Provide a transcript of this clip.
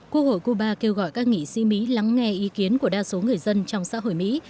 quốc hội cuba kêu gọi các nghị sĩ mỹ lắng nghe ý kiến của đa số người dân trong xã hội mỹ